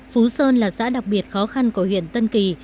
phú sơn là xã đặc biệt khó khăn của huyện tân kỳ